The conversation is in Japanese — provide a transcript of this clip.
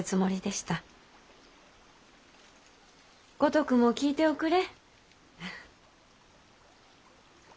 五徳も聞いておくれ。